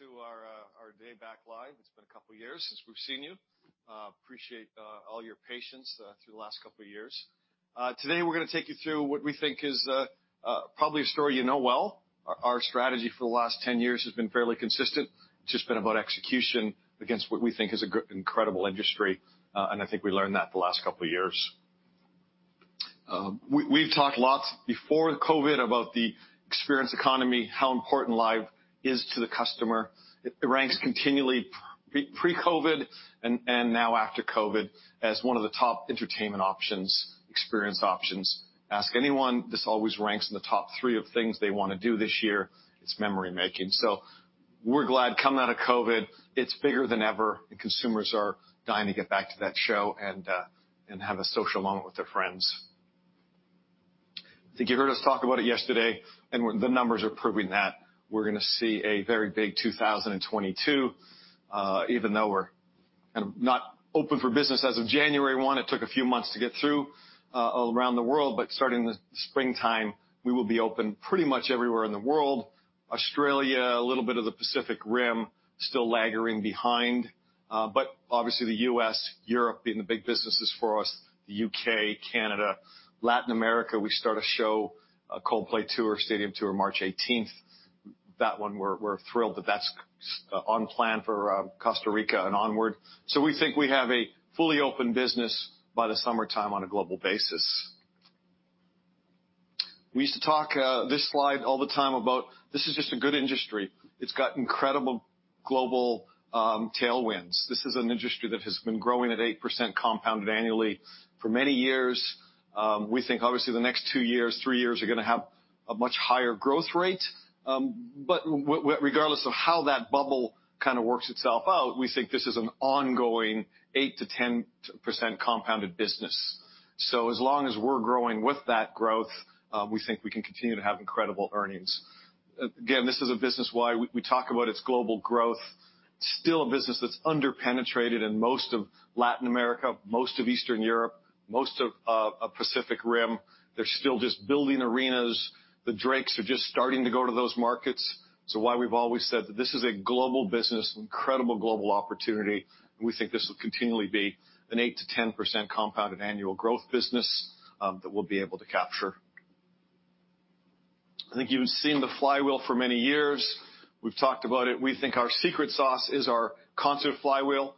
Welcome to our day back live. It's been a couple years since we've seen you. Appreciate all your patience through the last couple years. Today we're gonna take you through what we think is probably a story you know well. Our strategy for the last 10 years has been fairly consistent. It's just been about execution against what we think is an incredible industry, and I think we learned that the last couple years. We've talked lots before COVID about the experience economy, how important live is to the customer. It ranks continually pre-COVID and now after COVID as one of the top entertainment options, experience options. Ask anyone, this always ranks in the top three of things they wanna do this year. It's memory-making. We're glad coming out of COVID, it's bigger than ever, and consumers are dying to get back to that show and have a social moment with their friends. I think you heard us talk about it yesterday, and the numbers are proving that we're gonna see a very big 2022. Even though we're kind of not open for business as of January 1, it took a few months to get through around the world, but starting in the springtime, we will be open pretty much everywhere in the world. Australia, a little bit of the Pacific Rim still lagging behind. Obviously the U.S., Europe being the big businesses for us, the U.K., Canada. Latin America, we start a show, a Coldplay tour, stadium tour, March 18th. That one we're thrilled that that's on plan for Costa Rica and onward. We think we have a fully open business by the summertime on a global basis. We used to talk this slide all the time about this is just a good industry. It's got incredible global tailwinds. This is an industry that has been growing at 8% compounded annually for many years. We think obviously the next two years, three years are gonna have a much higher growth rate. Regardless of how that bubble kinda works itself out, we think this is an ongoing 8%-10% compounded business. As long as we're growing with that growth, we think we can continue to have incredible earnings. Again, this is a business why we talk about its global growth. Still a business that's underpenetrated in most of Latin America, most of Eastern Europe, most of Pacific Rim. They're still just building arenas. The Drake is just starting to go to those markets. Why we've always said that this is a global business, an incredible global opportunity, and we think this will continually be an 8%-10% compounded annual growth business that we'll be able to capture. I think you've seen the flywheel for many years. We've talked about it. We think our secret sauce is our concert flywheel,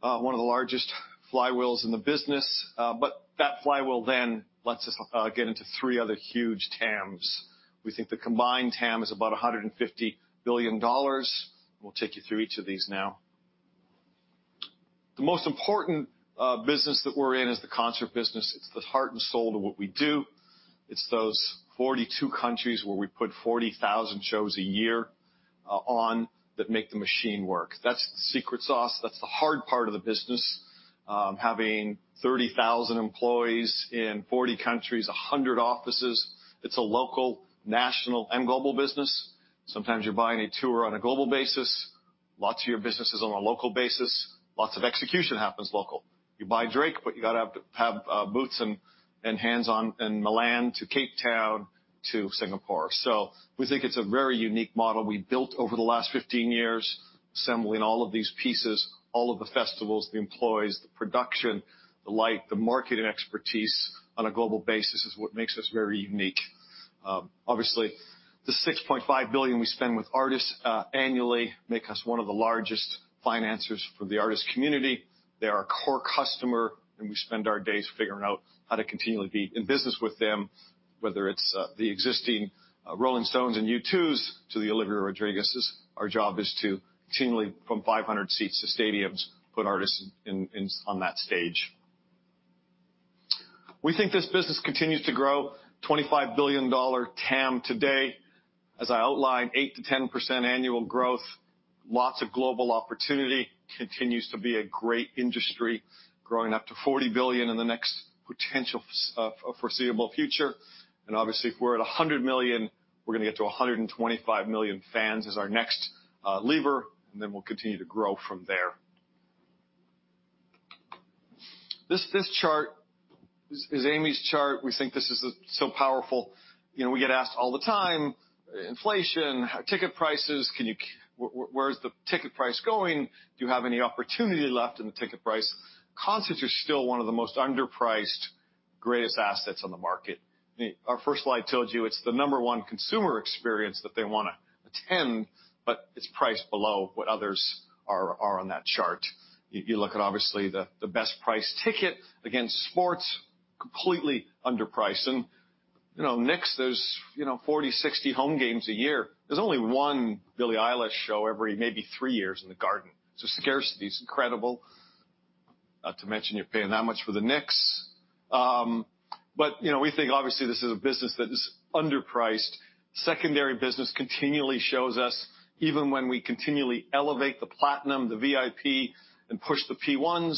one of the largest flywheels in the business. That flywheel then lets us get into three other huge TAMs. We think the combined TAM is about $150 billion. We'll take you through each of these now. The most important business that we're in is the concert business. It's the heart and soul to what we do. It's those 42 countries where we put 40,000 shows a year on that make the machine work. That's the secret sauce. That's the hard part of the business. Having 30,000 employees in 40 countries, 100 offices. It's a local, national, and global business. Sometimes you're buying a tour on a global basis. Lots of your business is on a local basis. Lots of execution happens local. You buy Drake, but you gotta have boots and hands on in Milan to Cape Town to Singapore. We think it's a very unique model we built over the last 15 years, assembling all of these pieces, all of the festivals, the employees, the production, the lighting, the marketing and expertise on a global basis is what makes us very unique. Obviously, the $6.5 billion we spend with artists annually makes us one of the largest financiers for the artist community. They're our core customer, and we spend our days figuring out how to continually be in business with them, whether it's the existing Rolling Stones and U2's to the Olivia Rodrigo's. Our job is to continually, from 500 seats to stadiums, put artists in on that stage. We think this business continues to grow $25 billion TAM today. As I outlined, 8%-10% annual growth. Lots of global opportunity. Continues to be a great industry, growing up to $40 billion in the next potential foreseeable future. Obviously, if we're at 100 million, we're gonna get to 125 million fans as our next lever, and then we'll continue to grow from there. This chart is Amy's chart. We think this is so powerful. You know, we get asked all the time, inflation, ticket prices, where's the ticket price going? Do you have any opportunity left in the ticket price? Concerts are still one of the most underpriced, greatest assets on the market. Our first slide told you it's the number one consumer experience that they wanna attend, but it's priced below what others are on that chart. You look at obviously the best priced ticket against sports, completely underpriced. You know, Knicks, there's you know, 40, 60 home games a year. There's only one Billie Eilish show every maybe three years in the Garden. Scarcity is incredible. Not to mention you're paying that much for the Knicks. You know, we think obviously this is a business that is underpriced. Secondary business continually shows us even when we continually elevate the Platinum, the VIP, and push the P1s,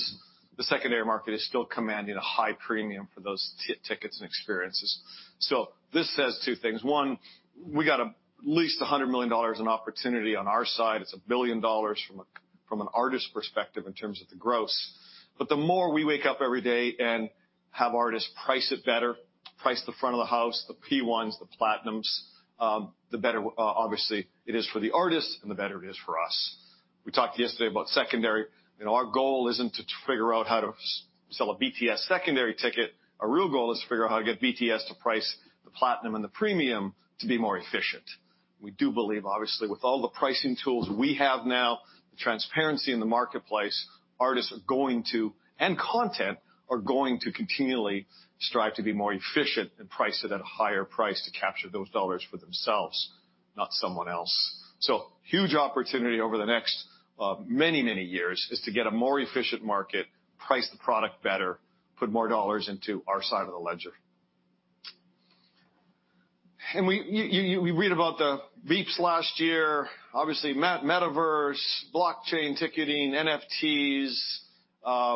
the secondary market is still commanding a high premium for those tickets and experiences. This says two things. One, we got at least $100 million in opportunity on our side. It's a billion dollars from an artist perspective in terms of the gross. The more we wake up every day and have artists price it better price the front of the house, the P1s, the Platinums, the better obviously it is for the artist and the better it is for us. We talked yesterday about secondary, and our goal isn't to figure out how to sell a BTS secondary ticket. Our real goal is to figure out how to get BTS to price the Platinum and the premium to be more efficient. We do believe, obviously, with all the pricing tools we have now, the transparency in the marketplace, artists are going to, and content, are going to continually strive to be more efficient and price it at a higher price to capture those dollars for themselves, not someone else. Huge opportunity over the next, many, many years is to get a more efficient market, price the product better, put more dollars into our side of the ledger. You read about the VIPs last year, obviously, Metaverse, blockchain ticketing, NFTs,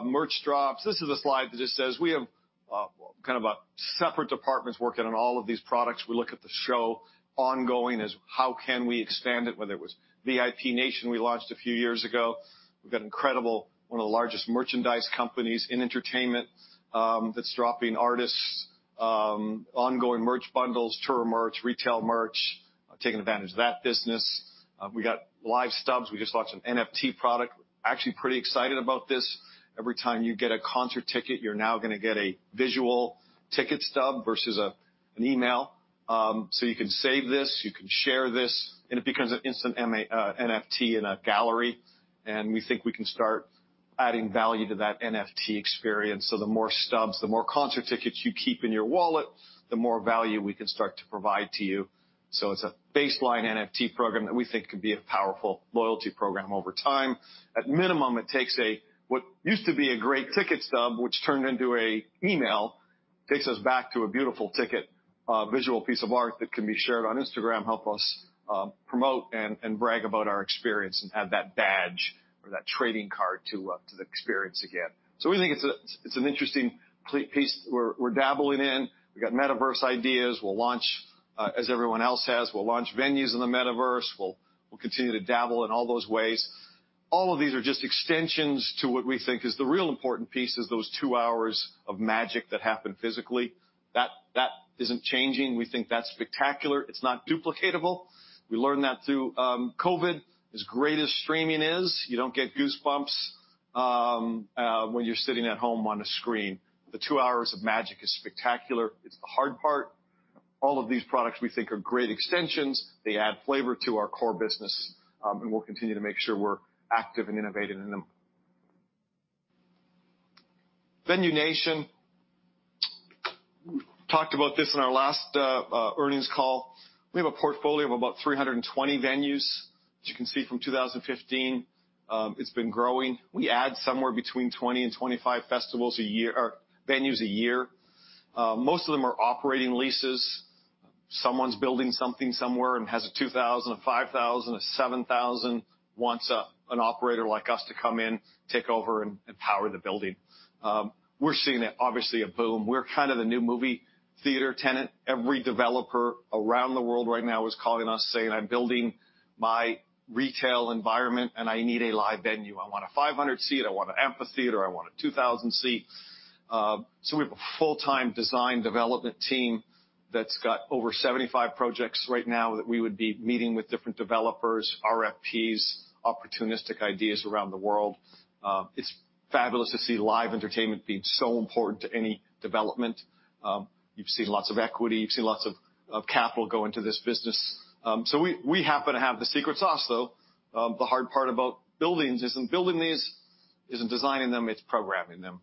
merch drops. This is a slide that just says we have, kind of separate departments working on all of these products. We look at the show ongoing as how can we expand it, whether it was VIP Nation we launched a few years ago. We've got incredible, one of the largest merchandise companies in entertainment, that's dropping artists, ongoing merch bundles, tour merch, retail merch, taking advantage of that business. We got Live Stubs. We just launched an NFT product. Actually pretty excited about this. Every time you get a concert ticket, you're now gonna get a visual ticket stub versus an email. You can save this, you can share this, and it becomes an instant NFT in a gallery. We think we can start adding value to that NFT experience. The more stubs, the more concert tickets you keep in your wallet, the more value we can start to provide to you. It's a baseline NFT program that we think could be a powerful loyalty program over time. At minimum, it takes what used to be a great ticket stub, which turned into an email, takes us back to a beautiful ticket, visual piece of art that can be shared on Instagram, help us promote and brag about our experience and add that badge or that trading card to the experience again. We think it's an interesting piece we're dabbling in. We got Metaverse ideas. We'll launch as everyone else has. We'll launch venues in the Metaverse. We'll continue to dabble in all those ways. All of these are just extensions to what we think is the real important piece is those two hours of magic that happen physically. That isn't changing. We think that's spectacular. It's not duplicatable. We learned that through COVID. As great as streaming is, you don't get goosebumps when you're sitting at home on a screen. The two hours of magic is spectacular. It's the hard part. All of these products we think are great extensions. They add flavor to our core business, and we'll continue to make sure we're active and innovative in them. Venue Nation. Talked about this in our last earnings call. We have a portfolio of about 320 venues. As you can see from 2015, it's been growing. We add somewhere between 20 and 25 festivals a year or venues a year. Most of them are operating leases. Someone's building something somewhere and has a 2,000, a 5,000, a 7,000, wants a, an operator like us to come in, take over, and power the building. We're seeing obviously a boom. We're kind of the new movie theater tenant. Every developer around the world right now is calling us saying, "I'm building my retail environment and I need a live venue. I want a 500-seat. I want an amphitheater. I want a 2,000-seat." We have a full-time design development team that's got over 75 projects right now that we would be meeting with different developers, RFPs, opportunistic ideas around the world. It's fabulous to see live entertainment being so important to any development. You've seen lots of equity. You've seen lots of capital go into this business. We happen to have the secret sauce, though. The hard part about buildings isn't building these, isn't designing them, it's programming them.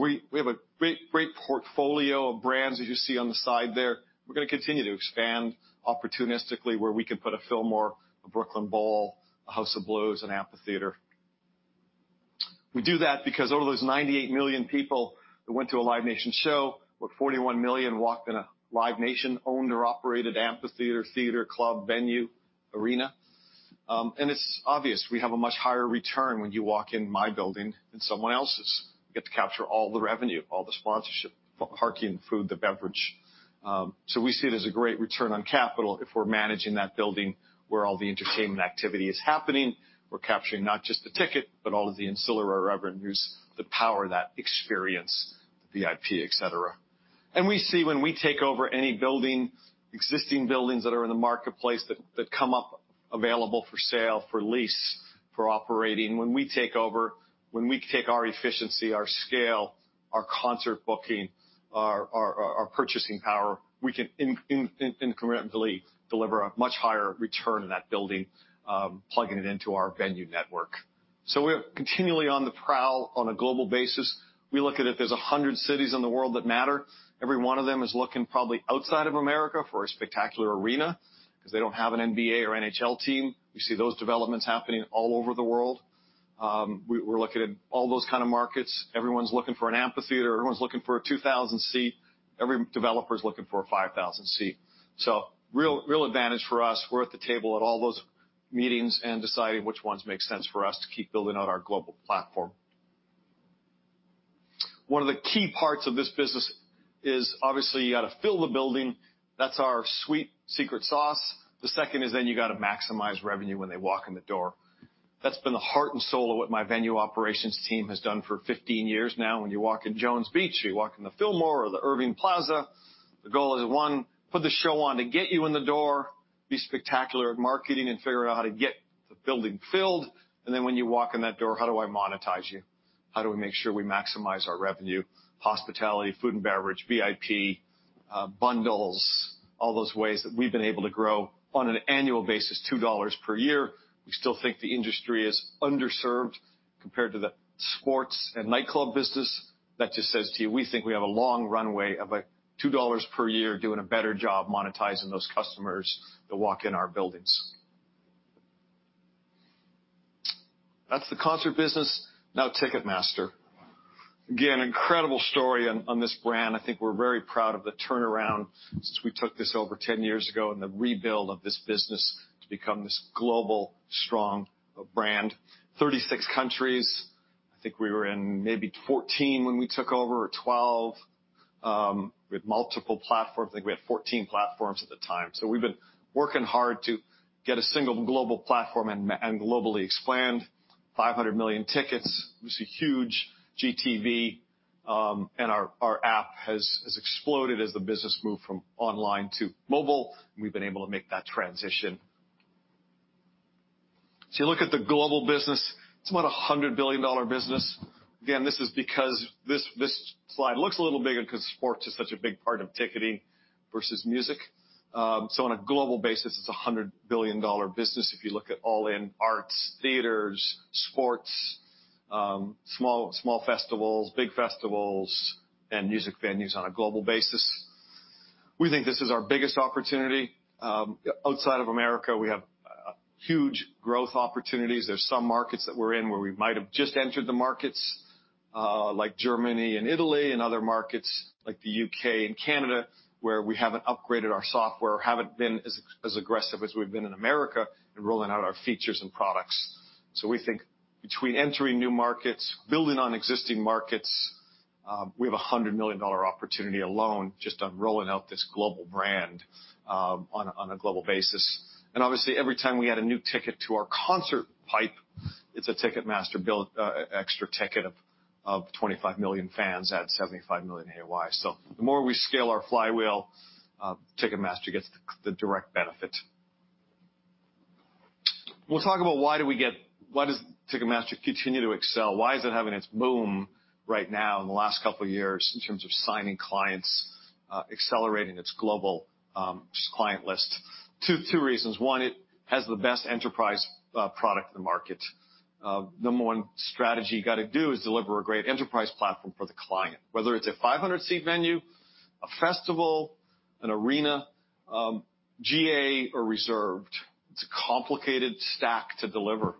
We have a great portfolio of brands, as you see on the side there. We're gonna continue to expand opportunistically where we can put a Fillmore, a Brooklyn Bowl, a House of Blues, an amphitheater. We do that because out of those 98 million people that went to a Live Nation show, about 41 million walked in a Live Nation owned or operated amphitheater, theater, club, venue, arena. It's obvious we have a much higher return when you walk in my building than someone else's. You get to capture all the revenue, all the sponsorship, parking, food, the beverage. We see it as a great return on capital if we're managing that building where all the entertainment activity is happening. We're capturing not just the ticket, but all of the ancillary revenues that power that experience, VIP, et cetera. We see when we take over any building, existing buildings that are in the marketplace that come up available for sale, for lease, for operating, when we take over, when we take our efficiency, our scale, our concert booking, our purchasing power, we can incrementally deliver a much higher return in that building, plugging it into our venue network. We're continually on the prowl on a global basis. We look at it. There's 100 cities in the world that matter. Every one of them is looking probably outside of America for a spectacular arena because they don't have an NBA or NHL team. We see those developments happening all over the world. We're looking at all those kind of markets. Everyone's looking for an amphitheater. Everyone's looking for a 2,000-seat. Every developer is looking for a 5,000-seat. Real, real advantage for us. We're at the table at all those meetings and deciding which ones make sense for us to keep building out our global platform. One of the key parts of this business is obviously you gotta fill the building. That's our sweet secret sauce. The second is then you gotta maximize revenue when they walk in the door. That's been the heart and soul of what my venue operations team has done for 15 years now. When you walk in Jones Beach or you walk in the Fillmore or the Irving Plaza, the goal is, one, put the show on to get you in the door, be spectacular at marketing and figuring out how to get the building filled. When you walk in that door, how do I monetize you? How do we make sure we maximize our revenue, hospitality, food and beverage, VIP, bundles, all those ways that we've been able to grow on an annual basis, $2 per year. We still think the industry is underserved compared to the sports and nightclub business. That just says to you, we think we have a long runway of a $2 per year doing a better job monetizing those customers that walk in our buildings. That's the concert business. Now, Ticketmaster. Again, incredible story on this brand. I think we're very proud of the turnaround since we took this over 10 years ago and the rebuild of this business to become this global, strong brand. 36 countries. I think we were in maybe 14 when we took over or 12. With multiple platforms. I think we had 14 platforms at the time. We've been working hard to get a single global platform and globally expand 500 million tickets. It was a huge GTV, and our app has exploded as the business moved from online to mobile, and we've been able to make that transition. You look at the global business, it's about a $100 billion business. Again, this is because this slide looks a little bigger 'cause sports is such a big part of ticketing versus music. On a global basis, it's a $100 billion business if you look at all in arts, theaters, sports, small festivals, big festivals, and music venues on a global basis. We think this is our biggest opportunity. Outside of America, we have huge growth opportunities. There's some markets that we're in where we might have just entered the markets, like Germany and Italy and other markets like the U.K. and Canada, where we haven't upgraded our software or haven't been as aggressive as we've been in America in rolling out our features and products. We think between entering new markets, building on existing markets, we have a $100 million opportunity alone just on rolling out this global brand, on a global basis. Obviously, every time we add a new ticket to our concert pipeline, it's a Ticketmaster benefit, extra ticket of 25 million fans at 75 million AOI. The more we scale our flywheel, Ticketmaster gets the direct benefit. We'll talk about why do we get. Why does Ticketmaster continue to excel? Why is it having its boom right now in the last couple of years in terms of signing clients, accelerating its global, just client list? Two reasons. One, it has the best enterprise product in the market. The number one strategy you gotta do is deliver a great enterprise platform for the client. Whether it's a 500-seat venue, a festival, an arena, GA or reserved, it's a complicated stack to deliver.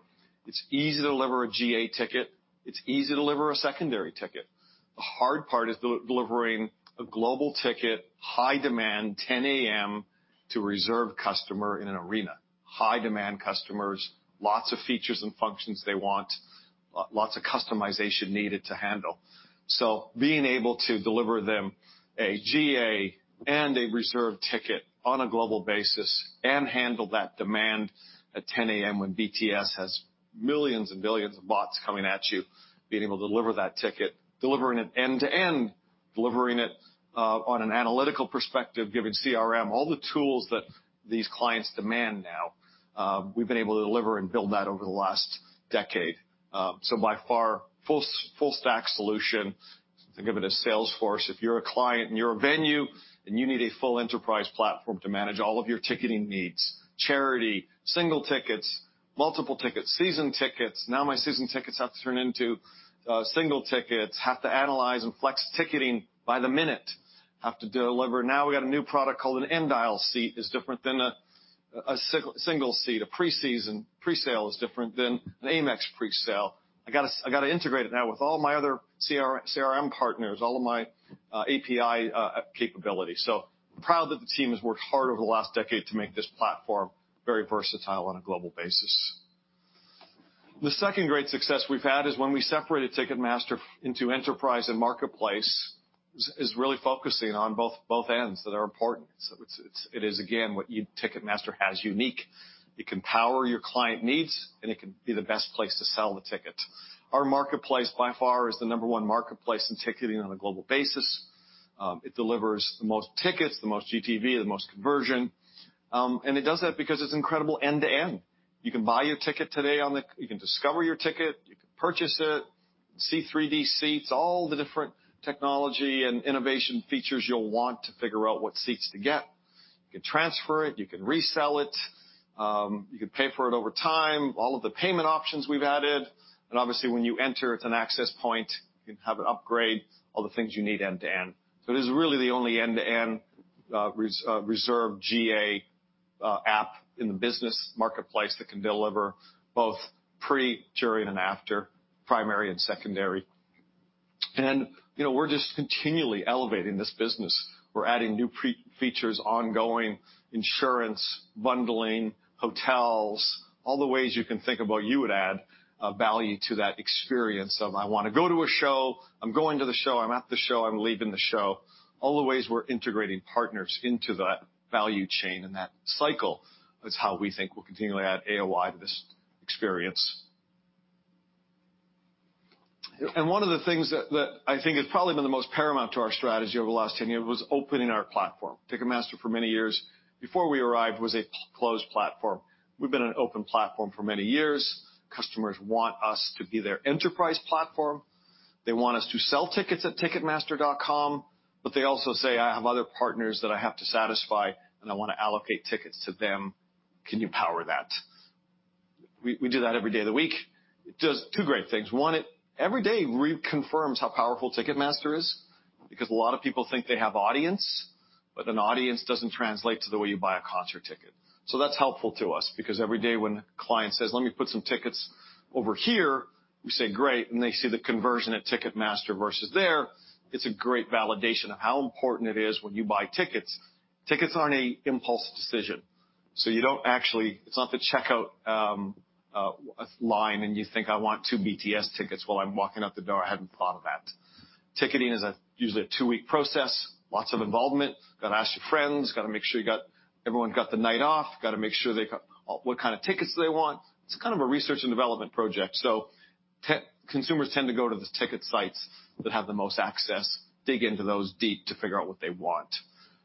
It's easy to deliver a GA ticket. It's easy to deliver a secondary ticket. The hard part is delivering a global ticket, high demand, 10 A.M. to a reserved customer in an arena. High demand customers, lots of features and functions they want, lots of customization needed to handle. Being able to deliver them a GA and a reserve ticket on a global basis and handle that demand at 10 A.M. when BTS has millions and billions of bots coming at you, being able to deliver that ticket, delivering it end-to-end, delivering it, on an analytical perspective, giving CRM all the tools that these clients demand now, we've been able to deliver and build that over the last decade. By far, full stack solution to give it a Salesforce. If you're a client and you're a venue and you need a full enterprise platform to manage all of your ticketing needs, charity, single tickets, multiple tickets, season tickets. Now, my season tickets have to turn into single tickets, have to analyze and flex ticketing by the minute, have to deliver. Now we got a new product called an end aisle seat is different than a single seat. A presale is different than an Amex presale. I gotta integrate it now with all my other CRM partners, all of my API capability. I'm proud that the team has worked hard over the last decade to make this platform very versatile on a global basis. The second great success we've had is when we separated Ticketmaster into enterprise and marketplace, is really focusing on both ends that are important. It is again what makes Ticketmaster unique. It can power your client needs, and it can be the best place to sell the ticket. Our marketplace, by far, is the number one marketplace in ticketing on a global basis. It delivers the most tickets, the most GTV, the most conversion. It does that because it's incredible end-to-end. You can buy your ticket today. You can discover your ticket, you can purchase it, see 3D seats, all the different technology and innovation features you'll want to figure out what seats to get. You can transfer it, you can resell it, you can pay for it over time, all of the payment options we've added. Obviously, when you enter, it's an access point. You can have it upgrade, all the things you need end-to-end. This is really the only end-to-end reserve GA app in the business marketplace that can deliver both pre, during, and after, primary and secondary. You know, we're just continually elevating this business. We're adding new features, ongoing insurance, bundling, hotels, all the ways you can think about how you would add value to that experience of I want to go to a show, I'm going to the show, I'm at the show, I'm leaving the show. All the ways we're integrating partners into that value chain and that cycle is how we think we'll continually add AOI to this experience. One of the things that I think has probably been the most paramount to our strategy over the last 10 years was opening our platform. Ticketmaster, for many years before we arrived, was a closed platform. We've been an open platform for many years. Customers want us to be their enterprise platform. They want us to sell tickets at ticketmaster.com, but they also say, "I have other partners that I have to satisfy, and I wanna allocate tickets to them. Can you power that?" We do that every day of the week. It does two great things. One, it every day reconfirms how powerful Ticketmaster is because a lot of people think they have an audience, but an audience doesn't translate to the way you buy a concert ticket. That's helpful to us because every day when a client says, "Let me put some tickets over here," we say, "Great." They see the conversion at Ticketmaster versus there. It's a great validation of how important it is when you buy tickets. Tickets aren't an impulse decision, so you don't actually. It's not the checkout line, and you think, "I want two BTS tickets while I'm walking out the door. I hadn't thought of that." Ticketing is usually a two-week process, lots of involvement. Gotta ask your friends, gotta make sure everyone got the night off, gotta make sure what kind of tickets they want. It's kind of a research and development project. Consumers tend to go to the ticket sites that have the most access, dig into those deep to figure out what they want.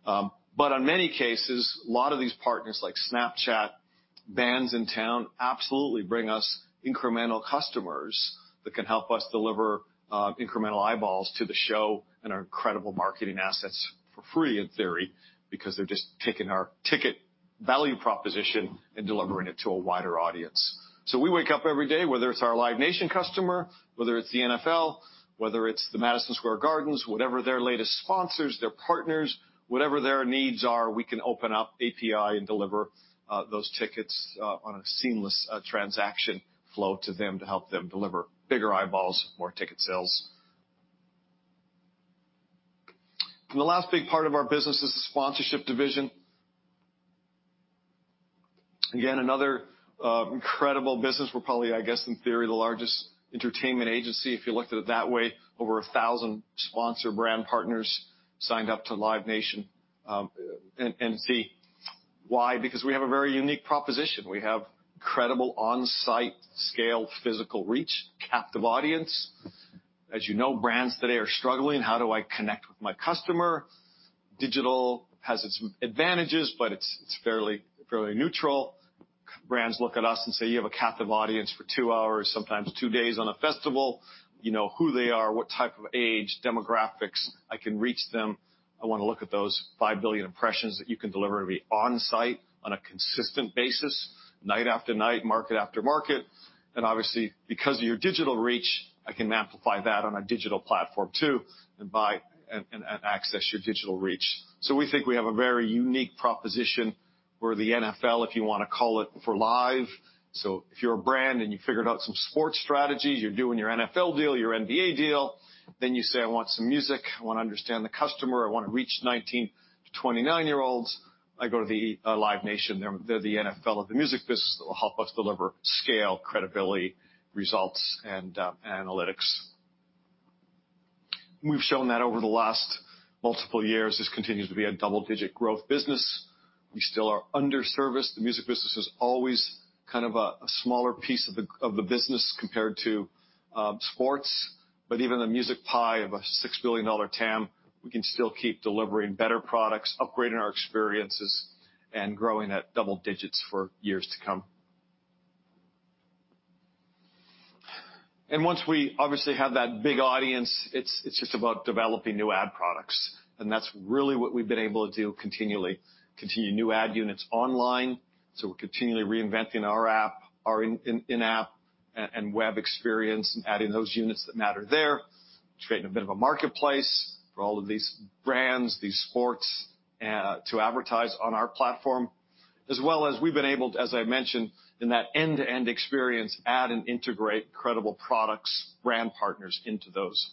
On many cases, a lot of these partners, like Snapchat, Bandsintown, absolutely bring us incremental customers that can help us deliver, incremental eyeballs to the show and are incredible marketing assets for free in theory because they're just taking our ticket value proposition and delivering it to a wider audience. We wake up every day, whether it's our Live Nation customer, whether it's the NFL, whether it's the Madison Square Garden, whatever their latest sponsors, their partners, whatever their needs are, we can open up API and deliver those tickets on a seamless transaction flow to them to help them deliver bigger eyeballs, more ticket sales. The last big part of our business is the sponsorship division. Again, another incredible business. We're probably, I guess, in theory, the largest entertainment agency, if you looked at it that way. Over 1,000 sponsor brand partners signed up to Live Nation, and see. Why? Because we have a very unique proposition. We have incredible on-site scale, physical reach, captive audience. As you know, brands today are struggling. How do I connect with my customer? Digital has its advantages, but it's fairly neutral. Brands look at us and say, "You have a captive audience for two hours, sometimes two days on a festival. You know who they are, what type of age, demographics. I can reach them. I wanna look at those 5 billion impressions that you can deliver to me on-site on a consistent basis, night after night, market after market. Obviously, because of your digital reach, I can amplify that on a digital platform too and buy and access your digital reach." We think we have a very unique proposition. We're the NFL, if you wanna call it, for live. If you're a brand and you figured out some sports strategies, you're doing your NFL deal, your NBA deal, then you say, "I want some music. I wanna understand the customer. I wanna reach 19 to 29 year olds." I go to the Live Nation. They're the NFL of the music business that will help us deliver scale, credibility, results, and analytics. We've shown that over the last multiple years, this continues to be a double-digit growth business. We still are under-serviced. The music business is always kind of a smaller piece of the business compared to sports. Even the music pie of a $6 billion TAM, we can still keep delivering better products, upgrading our experiences, and growing at double digits for years to come. Once we obviously have that big audience, it's just about developing new ad products, and that's really what we've been able to do continually. Continue new ad units online, so we're continually reinventing our app, our in-app and web experience and adding those units that matter there. It's creating a bit of a marketplace for all of these brands, these sports, to advertise on our platform. As well as we've been able to, as I mentioned, in that end-to-end experience, add and integrate incredible products, brand partners into those.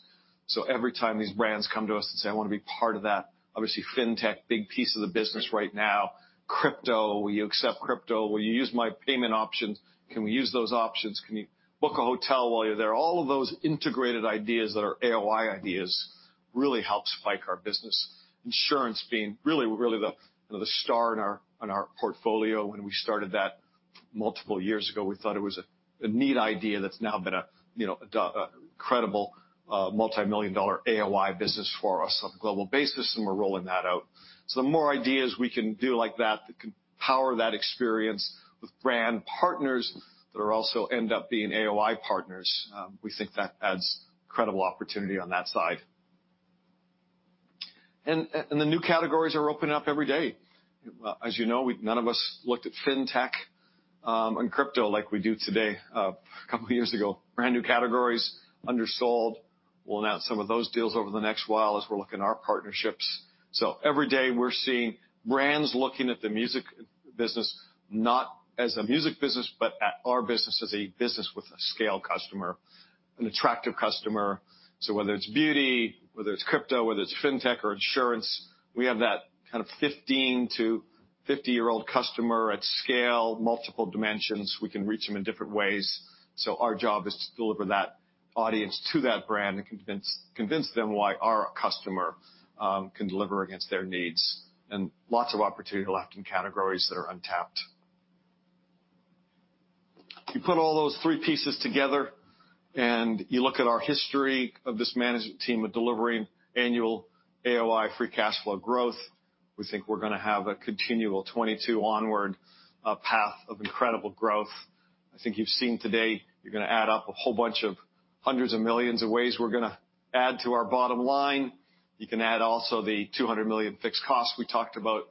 Every time these brands come to us and say, "I wanna be part of that," obviously, fintech, big piece of the business right now. Crypto, will you accept crypto? Will you use my payment options? Can we use those options? Can you book a hotel while you're there? All of those integrated ideas that are AOI ideas really helps spike our business. Insurance being really the, you know, the star in our portfolio. When we started that multiple years ago, we thought it was a neat idea that's now been a credible multimillion-dollar AOI business for us on a global basis, and we're rolling that out. The more ideas we can do like that can power that experience with brand partners that are also end up being AOI partners, we think that adds incredible opportunity on that side. The new categories are opening up every day. As you know, none of us looked at fintech and crypto like we do today couple years ago. Brand-new categories, undersold. We'll announce some of those deals over the next while as we're looking at our partnerships. Every day, we're seeing brands looking at the music business not as a music business, but at our business as a business with a scale customer, an attractive customer. Whether it's beauty, whether it's crypto, whether it's fintech or insurance, we have that kind of 15 to 50 year old customer at scale, multiple dimensions. We can reach them in different ways. Our job is to deliver that audience to that brand and convince them why our customer can deliver against their needs. Lots of opportunity left in categories that are untapped. You put all those three pieces together and you look at our history of this management team of delivering annual AOI free cash flow growth, we think we're gonna have a continual 2022 onward path of incredible growth. I think you've seen today, you're gonna add up a whole bunch of hundreds of millions of ways we're gonna add to our bottom line. You can add also the $200 million fixed costs we talked about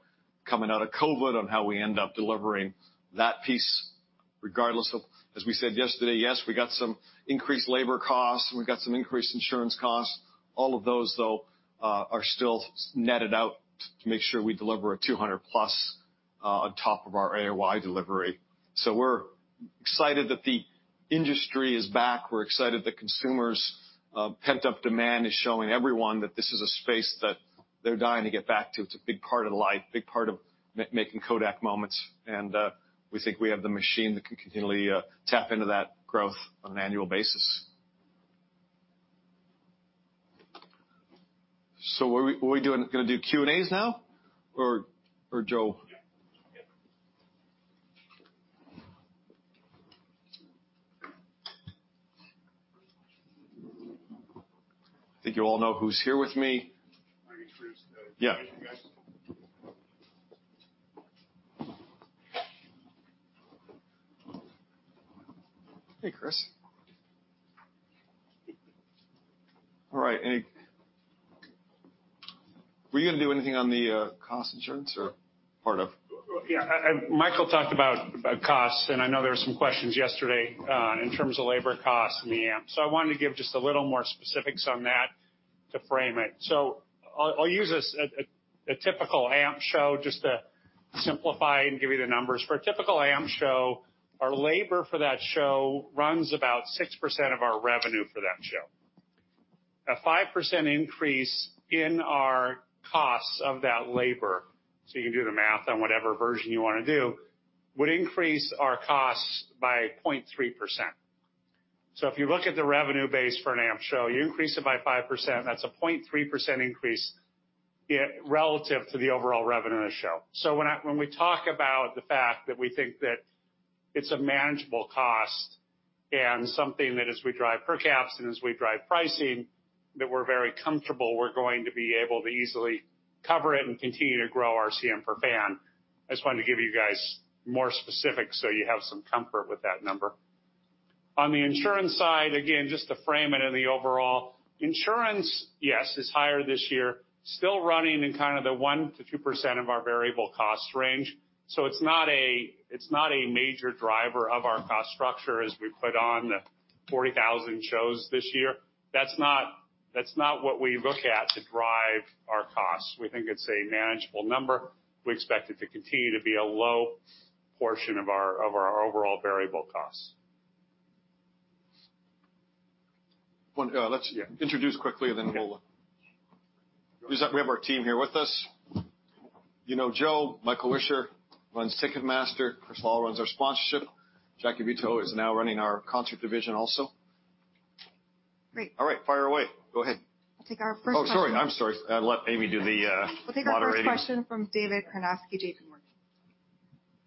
coming out of COVID on how we end up delivering that piece. As we said yesterday, yes, we got some increased labor costs and we got some increased insurance costs. All of those, though, are still netted out to make sure we deliver a 200+ on top of our AOI delivery. We're excited that the industry is back. We're excited that consumers' pent-up demand is showing everyone that this is a space that they're dying to get back to.It's a big part of life, making Kodak moments, and we think we have the machine that can continually tap into that growth on an annual basis. What are we gonna do Q&As now or Joe? Yeah. Yeah. I think you all know who's here with me. I introduce the. Yeah. Other guys. Hey, Chris. All right, were you gonna do anything on the cost, insurance or part of? Yeah. Michael talked about costs, and I know there were some questions yesterday in terms of labor costs and the AMP. I wanted to give just a little more specifics on that to frame it. I'll use a typical AMP show just to simplify and give you the numbers. For a typical AMP show, our labor for that show runs about 6% of our revenue for that show. A 5% increase in our costs of that labor, so you can do the math on whatever version you wanna do, would increase our costs by 0.3%. If you look at the revenue base for an AMP show, you increase it by 5%, that's a 0.3% increase relative to the overall revenue of the show. When we talk about the fact that we think that it's a manageable cost and something that as we drive per caps and as we drive pricing, that we're very comfortable we're going to be able to easily cover it and continue to grow our CM per fan. I just wanted to give you guys more specifics so you have some comfort with that number. On the insurance side, again, just to frame it in the overall, insurance, yes, is higher this year. Still running in kind of the 1%-2% of our variable cost range, so it's not a major driver of our cost structure as we put on the 40,000 shows this year. That's not what we look at to drive our costs. We think it's a manageable number. We expect it to continue to be a low portion of our overall variable costs. One, uh. Let's just that we have our team here with us. You know Joe. Mark Yovich runs Ticketmaster. Chris Loll runs our sponsorship. Jackie Beato is now running our concert division also. Great. All right. Fire away. Go ahead. I'll take our first question. Oh, sorry. I'm sorry. I'll let Amy do the moderating. We'll take our first question from David Karnovsky, JPMorgan.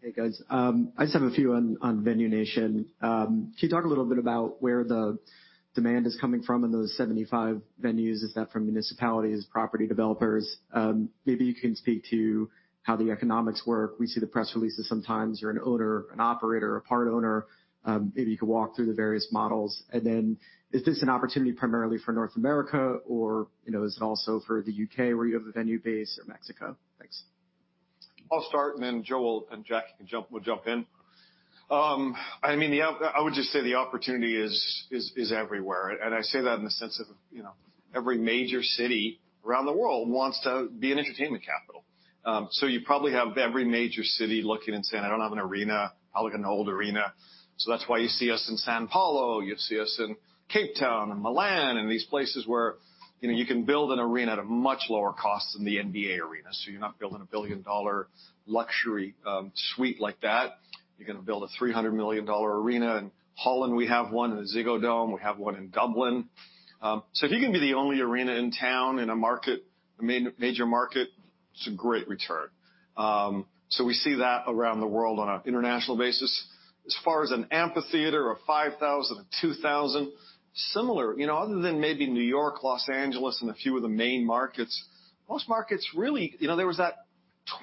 Hey, guys. I just have a few on Venue Nation. Can you talk a little bit about where the demand is coming from in those 75 venues? Is that from municipalities, property developers? Maybe you can speak to how the economics work. We see the press releases sometimes you're an owner, an operator, a part owner. Maybe you could walk through the various models. Then is this an opportunity primarily for North America, or, you know, is it also for the U.K. where you have a venue base or Mexico? Thanks. I'll start, and then Joe and Jackie can jump in. I mean, I would just say the opportunity is everywhere. I say that in the sense of, you know, every major city around the world wants to be an entertainment capital. You probably have every major city looking and saying, "I don't have an arena. I'll look at an old arena." That's why you see us in São Paulo. You'd see us in Cape Town and Milan and these places where, you know, you can build an arena at a much lower cost than the NBA arena. You're not building a billion dollar luxury suite like that. You're gonna build a $300 million arena. In Holland, we have one in the Ziggo Dome. We have one in Dublin. If you can be the only arena in town in a market, a major market, it's a great return. We see that around the world on an international basis. As far as an amphitheater of 5,000 and 2,000, similar. You know, other than maybe New York, Los Angeles, and a few of the main markets, most markets really. You know, there was that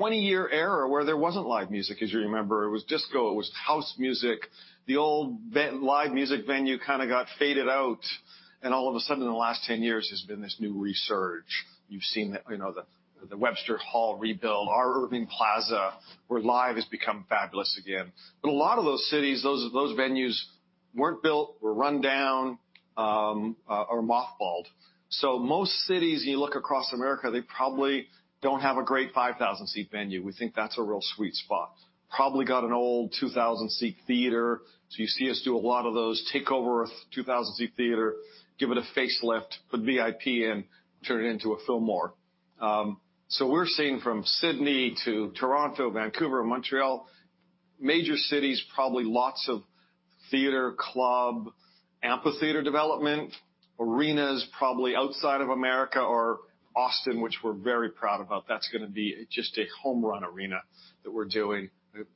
20-year era where there wasn't live music, as you remember. It was disco. It was house music. The old live music venue kinda got faded out, and all of a sudden in the last 10 years, there's been this new resurgence. You've seen the, you know, the Webster Hall rebuild, our Irving Plaza, where live has become fabulous again. A lot of those cities, those venues weren't built, were run down, or mothballed. Most cities, you look across America, they probably don't have a great 5,000-seat venue. We think that's a real sweet spot. Probably got an old 2,000-seat theater. You see us do a lot of those, take over a 2,000-seat theater, give it a facelift, put VIP in, turn it into a Fillmore. We're seeing from Sydney to Toronto, Vancouver, Montreal. Major cities, probably lots of theater, club, amphitheater development, arenas probably outside of America or Austin, which we're very proud about. That's gonna be just a home-run arena that we're doing.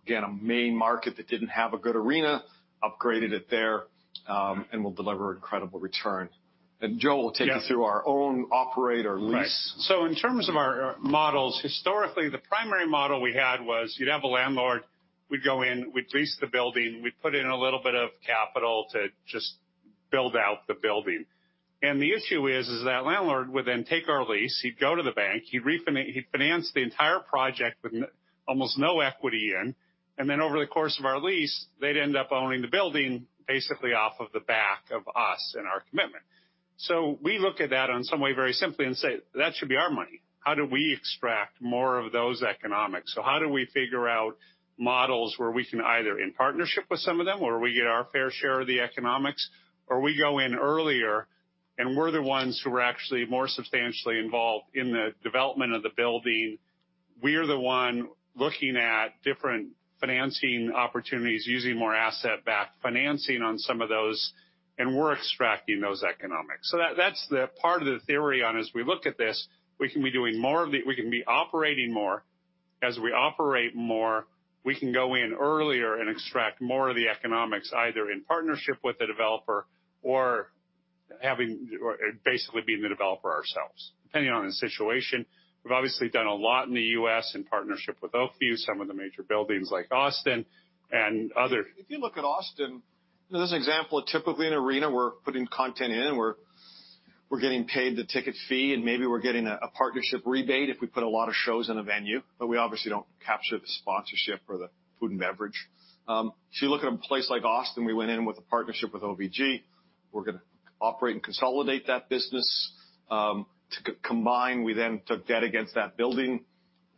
Again, a main market that didn't have a good arena, upgraded it there, and will deliver incredible return. Joe will take you through our own operate or lease. Right. In terms of our models, historically, the primary model we had was you'd have a landlord, we'd go in, we'd lease the building, we'd put in a little bit of capital to just build out the building. The issue is that landlord would then take our lease, he'd go to the bank, he'd finance the entire project with almost no equity in, and then over the course of our lease, they'd end up owning the building basically off of the back of us and our commitment. We look at that in some way very simply and say, "That should be our money. How do we extract more of those economics?" How do we figure out models where we can either in partnership with some of them or we get our fair share of the economics, or we go in earlier and we're the ones who are actually more substantially involved in the development of the building. We're the one looking at different financing opportunities using more asset-backed financing on some of those, and we're extracting those economics. That's the part of the theory on as we look at this, we can be doing more. We can be operating more. As we operate more, we can go in earlier and extract more of the economics, either in partnership with the developer or having, or, basically being the developer ourselves, depending on the situation. We've obviously done a lot in the U.S. in partnership with Oak View, some of the major buildings like Austin and other. If you look at Austin, this is an example of a typical arena. We're putting content in, we're getting paid the ticket fee, and maybe we're getting a partnership rebate if we put a lot of shows in a venue, but we obviously don't capture the sponsorship or the food and beverage. If you look at a place like Austin, we went in with a partnership with OVG. We're gonna operate and consolidate that business. To combine, we then took debt against that building.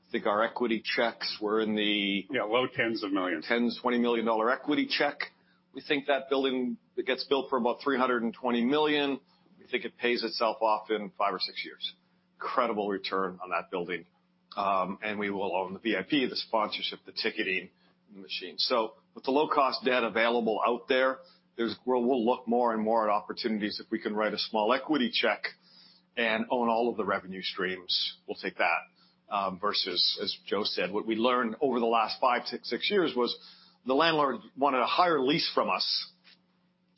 I think our equity checks were in the. Yeah, low $10s of millions. $10 million-$20 million dollar equity check. We think that building it gets built for about $320 million. We think it pays itself off in five or six years. Incredible return on that building. We will own the VIP, the sponsorship, the ticketing machine. With the low-cost debt available out there, we'll look more and more at opportunities if we can write a small equity check and own all of the revenue streams. We'll take that versus, as Joe said, what we learned over the last five or six years was the landlord wanted a higher lease from us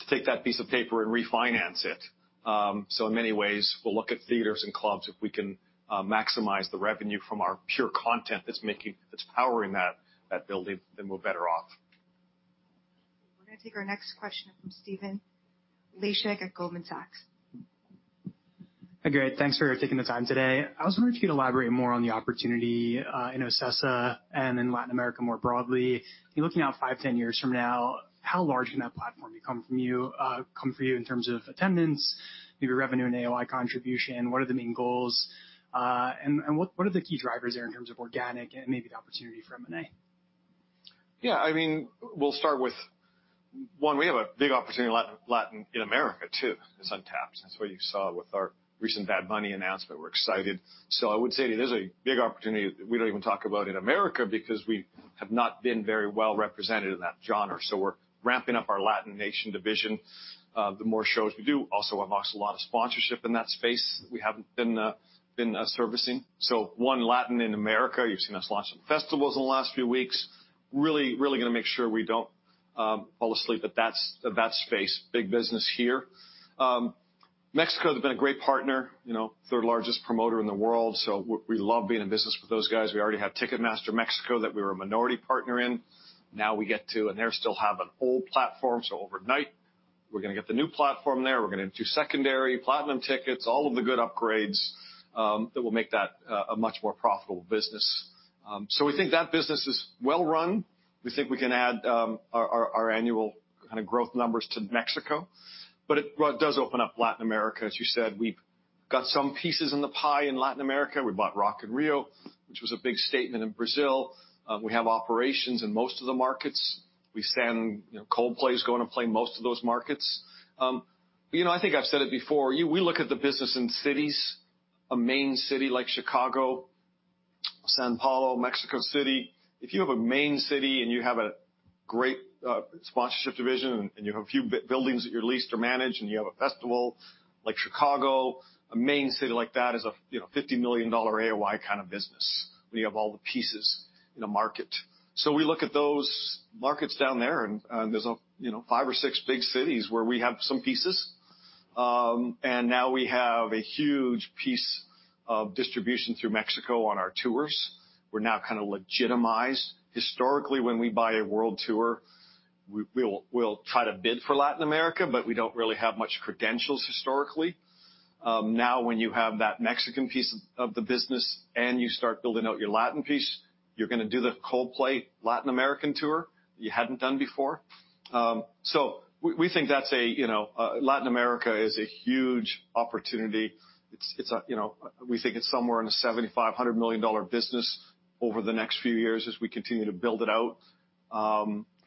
to take that piece of paper and refinance it. In many ways, we'll look at theaters and clubs if we can maximize the revenue from our pure content that's powering that building. Then we're better off. We're gonna take our next question from Stephen Laszczyk at Goldman Sachs. Hi, Greg. Thanks for taking the time today. I was wondering if you'd elaborate more on the opportunity in OCESA and in Latin America more broadly. You're looking out five, 10 years from now, how large can that platform become for you in terms of attendance, maybe revenue and AOI contribution? What are the main goals and what are the key drivers there in terms of organic and maybe the opportunity for M&A? Yeah, I mean, we'll start with one. We have a big opportunity in Latin in America, too. It's untapped. That's what you saw with our recent Bad Bunny announcement. We're excited. I would say there's a big opportunity we don't even talk about in America because we have not been very well represented in that genre. We're ramping up our Live Nation Latin division. The more shows we do also unlocks a lot of sponsorship in that space we haven't been servicing. One, Latin in America. You've seen us launch some festivals in the last few weeks. Really gonna make sure we don't fall asleep at that space. Big business here. Mexico has been a great partner, you know, third-largest promoter in the world. We love being in business with those guys. We already have Ticketmaster Mexico that we're a minority partner in. Now they still have an old platform, so overnight we're gonna get the new platform there. We're gonna do secondary, Platinum tickets, all of the good upgrades that will make that a much more profitable business. We think that business is well run. We think we can add our annual kinda growth numbers to Mexico, but it does open up Latin America. As you said, we've got some pieces in the pie in Latin America. We bought Rock in Rio, which was a big statement in Brazil. We have operations in most of the markets. We stand, you know, Coldplay is going to play most of those markets. You know, I think I've said it before, we look at the business in cities, a main city like Chicago, São Paulo, Mexico City. If you have a main city, and you have a great sponsorship division, and you have a few buildings that you lease or manage, and you have a festival like Chicago, a main city like that is a $50 million AOI kind of business when you have all the pieces in a market. We look at those markets down there, and there's a five or six big cities where we have some pieces. Now we have a huge piece of distribution through Mexico on our tours. We're now kinda legitimized. Historically, when we buy a world tour, we'll try to bid for Latin America, but we don't really have much credentials historically. Now when you have that Mexican piece of the business and you start building out your Latin piece, you're gonna do the Coldplay Latin American tour you hadn't done before. We think Latin America is a huge opportunity. We think it's somewhere in the $75 million-$100 million business over the next few years as we continue to build it out,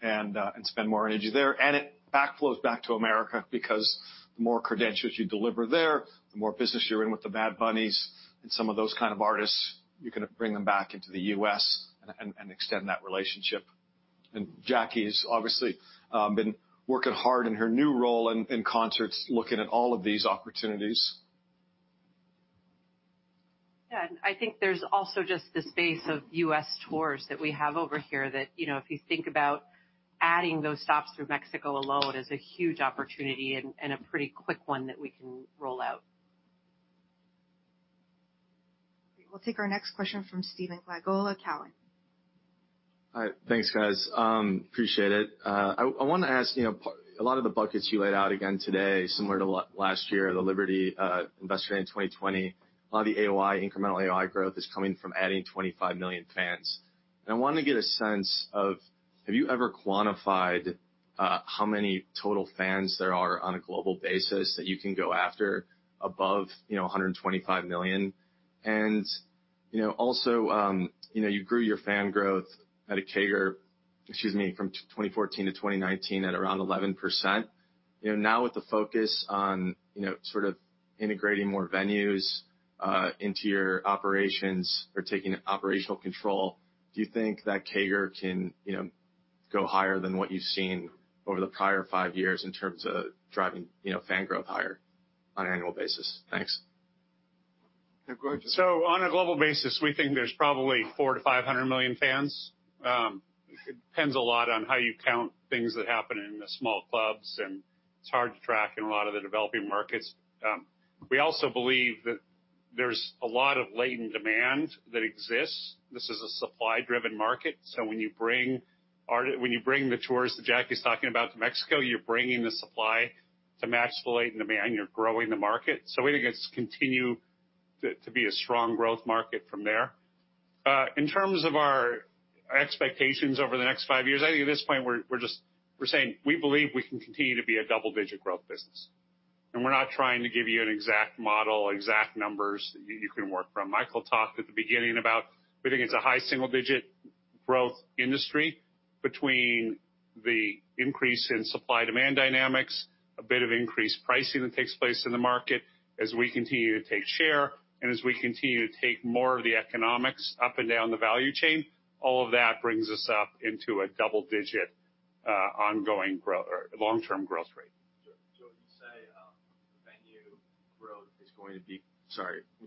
and spend more energy there. It backflows back to America because the more credentials you deliver there, the more business you're in with the Bad Bunny and some of those kind of artists, you can bring them back into the U.S. and extend that relationship. Jackie has obviously been working hard in her new role in concerts, looking at all of these opportunities. Yeah. I think there's also just the space of U.S. tours that we have over here that, you know, if you think about adding those stops through Mexico alone is a huge opportunity and a pretty quick one that we can roll out. We'll take our next question from Stephen Glagola, Cowen. Hi. Thanks, guys. Appreciate it. I wanna ask, you know, a lot of the buckets you laid out again today, similar to last year, the Liberty Investor Day in 2020, a lot of the AOI, incremental AOI growth is coming from adding 25 million fans. I wanna get a sense of, have you ever quantified how many total fans there are on a global basis that you can go after above, you know, 125 million? Also, you know, you grew your fan growth at a CAGR, excuse me, from 2014 to 2019 at around 11%. You know, now with the focus on, you know, sort of integrating more venues into your operations or taking operational control, do you think that CAGR can, you know, go higher than what you've seen over the prior five years in terms of driving, you know, fan growth higher on an annual basis? Thanks. Yeah, go ahead, Joe. On a global basis, we think there's probably 400-500 million fans. It depends a lot on how you count things that happen in the small clubs, and it's hard to track in a lot of the developing markets. We also believe that there's a lot of latent demand that exists. This is a supply-driven market, so when you bring the tours that Jackie's talking about to Mexico, you're bringing the supply to match the latent demand. You're growing the market. We think it's continue to be a strong growth market from there. In terms of our expectations over the next five years, I think at this point we're saying we believe we can continue to be a double-digit growth business. We're not trying to give you an exact model, exact numbers you can work from. Michael talked at the beginning about we think it's a high single-digit growth industry between the increase in supply-demand dynamics, a bit of increased pricing that takes place in the market as we continue to take share, and as we continue to take more of the economics up and down the value chain. All of that brings us up into a double-digit, ongoing or long-term growth rate. Would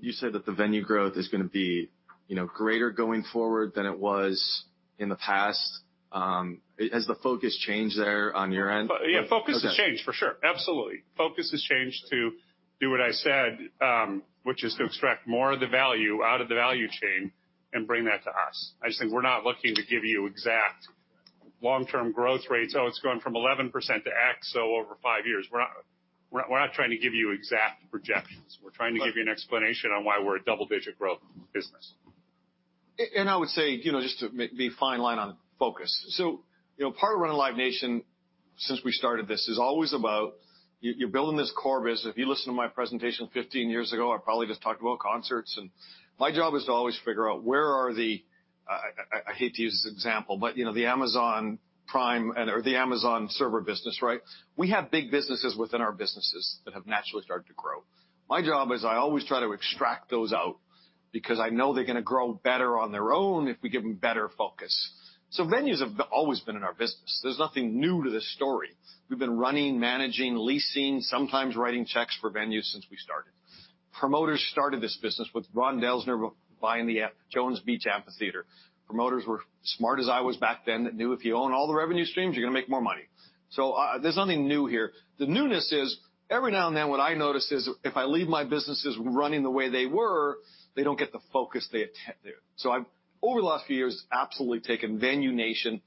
you say that the venue growth is gonna be, you know, greater going forward than it was in the past? Has the focus changed there on your end? Yeah, focus has changed, for sure. Absolutely. Focus has changed to do what I said, which is to extract more of the value out of the value chain and bring that to us. I just think we're not looking to give you exact long-term growth rates. Oh, it's gone from 11% to x, so over five years. We're not trying to give you exact projections. We're trying to give you an explanation on why we're a double-digit growth business. I would say, you know, just to draw a fine line on focus. You know, part of running Live Nation since we started this is always about you're building this core business. If you listen to my presentation 15 years ago, I probably just talked about concerts and my job is to always figure out where are the, I hate to use this example, but, you know, the Amazon Prime or the Amazon Server business, right? We have big businesses within our businesses that have naturally started to grow. My job is I always try to extract those out because I know they're gonna grow better on their own if we give them better focus. Venues have always been in our business. There's nothing new to this story. We've been running, managing, leasing, sometimes writing checks for venues since we started. Promoters started this business with Ron Delsener buying the Jones Beach Amphitheater. Promoters were smart as I was back then, that knew if you own all the revenue streams, you're gonna make more money. There's nothing new here. The newness is every now and then what I notice is if I leave my businesses running the way they were, they don't get the focus they. I've over the last few years, absolutely taken Venue Nation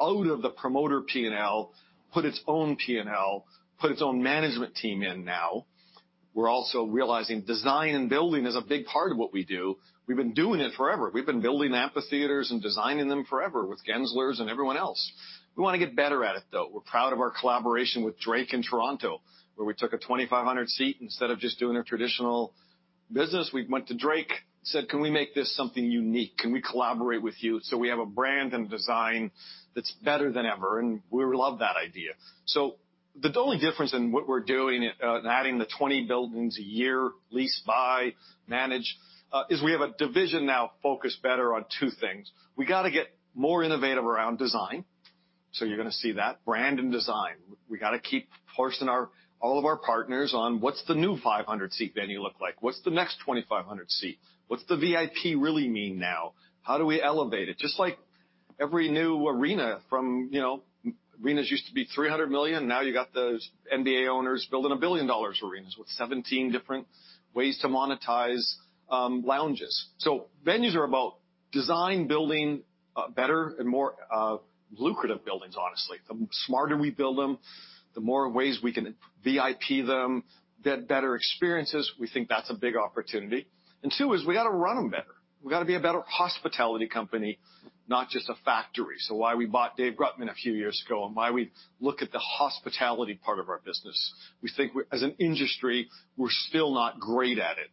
out of the promoter P&L, put its own P&L, put its own management team in now. We're also realizing design and building is a big part of what we do. We've been doing it forever. We've been building amphitheaters and designing them forever with Gensler and everyone else. We wanna get better at it, though. We're proud of our collaboration with Drake in Toronto, where we took a 2,500-seat. Instead of just doing a traditional business, we went to Drake, said: "Can we make this something unique? Can we collaborate with you so we have a brand and design that's better than ever?" We love that idea. The only difference in what we're doing in adding the 20 buildings a year, lease, buy, manage, is we have a division now focused better on two things. We gotta get more innovative around design, so you're gonna see that brand and design. We gotta keep forcing all of our partners on what's the new 500-seat venue look like? What's the next 2,500-seat? What's the VIP really mean now? How do we elevate it? Just like every new arena from, you know, arenas used to be $300 million, now you got those NBA owners building a billion dollars arenas with 17 different ways to monetize, lounges. Venues are about design, building better and more lucrative buildings, honestly. The smarter we build them, the more ways we can VIP them, get better experiences. We think that's a big opportunity. Two is we gotta run them better. We gotta be a better hospitality company, not just a factory. Why we bought Dave Grutman a few years ago and why we look at the hospitality part of our business. We think we're as an industry, we're still not great at it.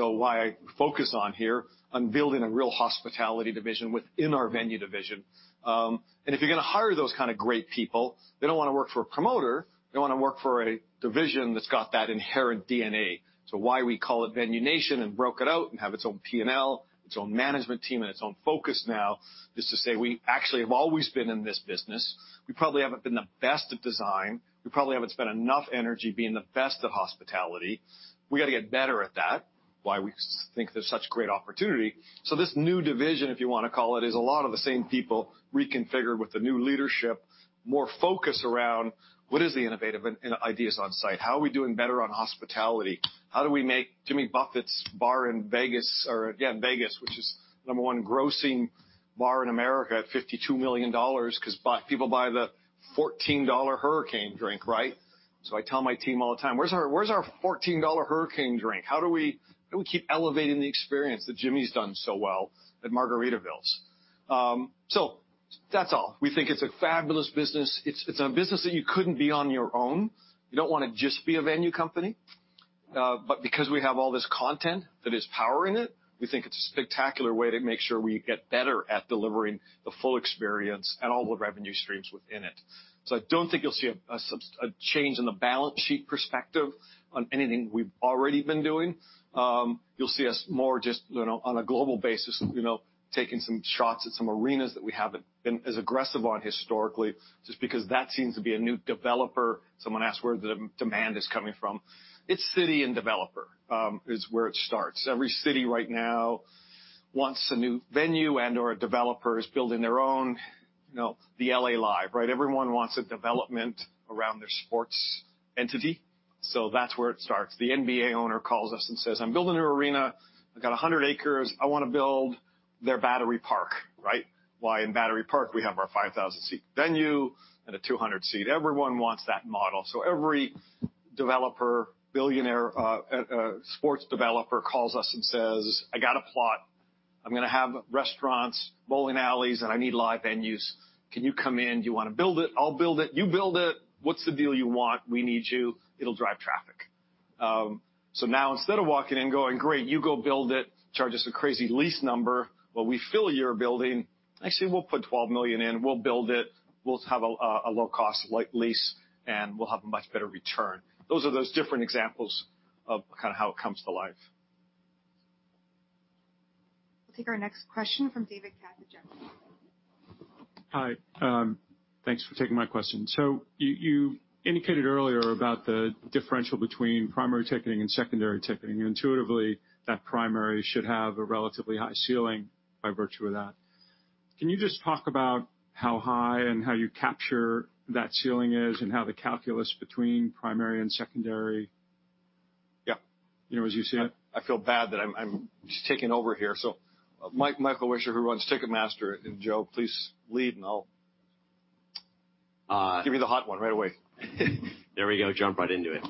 Why I focus on here on building a real hospitality division within our venue division. If you're gonna hire those kind of great people, they don't wanna work for a promoter. They wanna work for a division that's got that inherent DNA. It's why we call it Venue Nation and broke it out and have its own P&L, its own management team, and its own focus now, is to say we actually have always been in this business. We probably haven't been the best at design. We probably haven't spent enough energy being the best at hospitality. We gotta get better at that. Why we think there's such great opportunity. This new division, if you wanna call it, is a lot of the same people reconfigured with the new leadership, more focused around what is the innovative and ideas on site. How are we doing better on hospitality? How do we make Jimmy Buffett's bar in Vegas or, again, Vegas, which is number one grossing bar in America at $52 million 'cause people buy the $14 Hurricane drink, right? I tell my team all the time: Where's our $14 Hurricane drink? How do we keep elevating the experience that Jimmy's done so well at Margaritaville? That's all. We think it's a fabulous business. It's a business that you couldn't be on your own. You don't wanna just be a venue company. Because we have all this content that is power in it, we think it's a spectacular way to make sure we get better at delivering the full experience and all the revenue streams within it. I don't think you'll see a change in the balance sheet perspective on anything we've already been doing. You'll see us more just, you know, on a global basis, you know, taking some shots at some arenas that we haven't been as aggressive on historically, just because that seems to be a new developer. Someone asked where the demand is coming from. It's city and developer is where it starts. Every city right now wants a new venue and/or a developer is building their own, you know, the L.A. Live, right? Everyone wants a development around their sports entity, so that's where it starts. The NBA owner calls us and says, "I'm building a new arena. I've got 100 acres. I wanna build their The Battery," right? Why in The Battery? We have our 5,000-seat venue and a 200-seat. Everyone wants that model. Every developer, billionaire, sports developer calls us and says, "I got a plot. I'm gonna have restaurants, bowling alleys, and I need live venues. Can you come in? Do you wanna build it? I'll build it. You build it. What's the deal you want? We need you. It'll drive traffic." Now instead of walking in, going, "Great, you go build it, charge us a crazy lease number, but we fill your building." I say, "We'll put $12 million in. We'll build it. We'll have a low-cost lease, and we'll have a much better return." Those are different examples of kinda how it comes to life. We'll take our next question from David Karnovsky. Hi. Thanks for taking my question. You indicated earlier about the differential between primary ticketing and secondary ticketing. Intuitively, that primary should have a relatively high ceiling by virtue of that. Can you just talk about how high and how you capture that ceiling is and how the calculus between primary and secondary? Yeah. You know, as you see it. I feel bad that I'm just taking over here. Michael Wichser, who runs Ticketmaster, and Joe, please lead, and I'll give you the hot one right away. There we go. Jump right into it.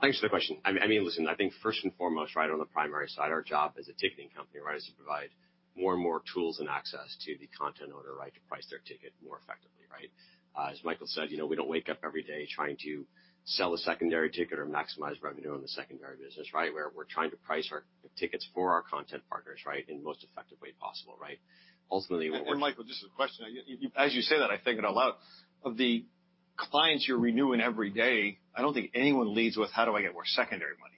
Thanks for the question. I mean, listen, I think first and foremost, right on the primary side, our job as a ticketing company, right, is to provide more and more tools and access to the content owner, right, to price their ticket more effectively, right? As Michael said, you know, we don't wake up every day trying to sell a secondary ticket or maximize revenue on the secondary business, right? Where we're trying to price our tickets for our content partners, right, in the most effective way possible, right? Ultimately. Michael, just a question. You as you say that, I think in a lot of the clients you're renewing every day, I don't think anyone leads with, how do I get more secondary money?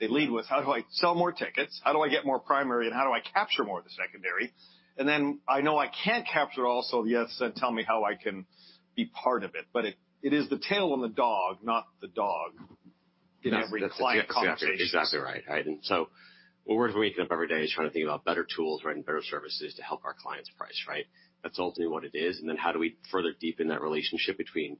They lead with: How do I sell more tickets? How do I get more primary, and how do I capture more of the secondary? Then I know I can't capture it all, so yes, then tell me how I can be part of it. It is the tail on the dog, not the dog. Yes. In every client conversation. Exactly right. Right? What we're waking up every day is trying to think about better tools, right, and better services to help our clients price, right? That's ultimately what it is. How do we further deepen that relationship between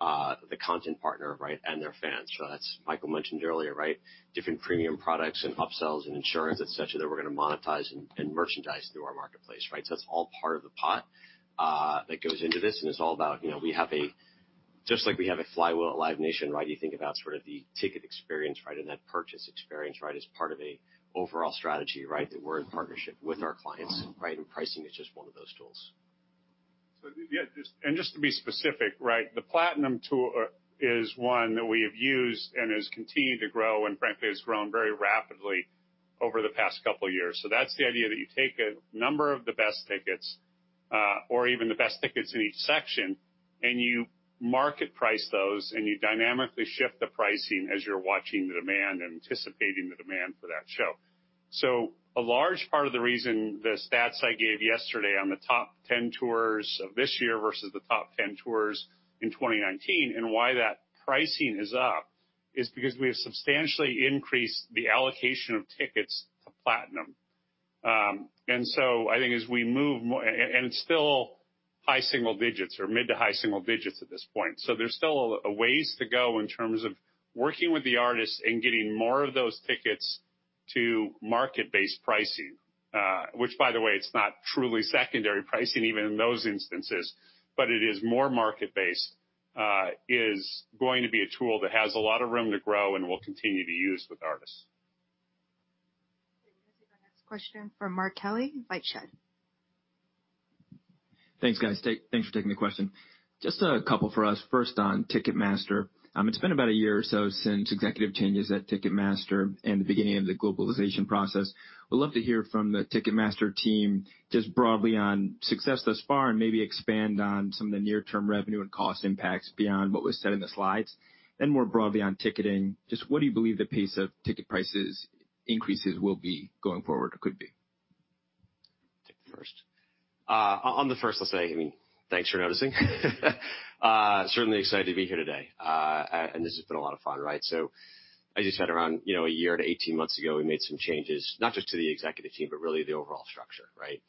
the content partner, right, and their fans. That's Michael mentioned earlier, right? Different premium products and upsells and insurance, et cetera, that we're gonna monetize and merchandise through our marketplace, right? That's all part of the pot that goes into this, and it's all about, you know, we have a flywheel at Live Nation, right? You think about sort of the ticket experience, right, and that purchase experience, right, as part of an overall strategy, right, that we're in partnership with our clients, right, and pricing is just one of those tools. Yeah, just to be specific, right, the Platinum tool is one that we have used and has continued to grow and frankly has grown very rapidly over the past couple years. That's the idea that you take a number of the best tickets, or even the best tickets in each section, and you market price those, and you dynamically shift the pricing as you're watching the demand and anticipating the demand for that show. A large part of the reason the stats I gave yesterday on the top 10 tours of this year versus the top 10 tours in 2019, and why that pricing is up, is because we have substantially increased the allocation of tickets to Platinum. I think as we move more and it's still high single digits or mid- to high single digits at this point. There's still a ways to go in terms of working with the artists and getting more of those tickets to market-based pricing, which by the way, it's not truly secondary pricing even in those instances, but it is more market based, is going to be a tool that has a lot of room to grow and we'll continue to use with artists. Okay. Let's take our next question from Mark Kelley, LightShed. Thanks, guys. Thanks for taking the question. Just a couple for us. First on Ticketmaster. It's been about a year or so since executive changes at Ticketmaster and the beginning of the globalization process. Would love to hear from the Ticketmaster team just broadly on success thus far, and maybe expand on some of the near-term revenue and cost impacts beyond what was said in the slides. Then more broadly on ticketing, just what do you believe the pace of ticket prices increases will be going forward or could be? Take the first. On the first, let's say, I mean, thanks for noticing. Certainly excited to be here today. This has been a lot of fun, right? I just had around, you know, a year to 18 months ago, we made some changes, not just to the executive team, but really the overall structure, right?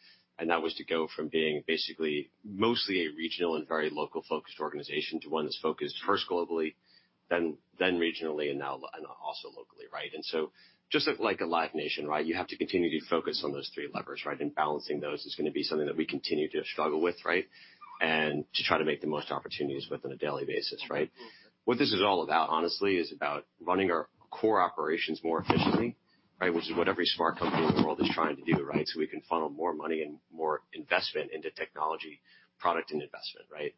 That was to go from being basically mostly a regional and very local-focused organization to one that's focused first globally, then regionally, and also locally, right? Just like a Live Nation, right, you have to continue to focus on those three levers, right? Balancing those is gonna be something that we continue to struggle with, right? To try to make the most of opportunities on a daily basis, right? What this is all about, honestly, is about running our core operations more efficiently, right? Which is what every smart company in the world is trying to do, right? We can funnel more money and more investment into technology, product and investment, right?